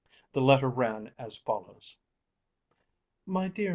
The letter ran as follows: MY DEAR MR.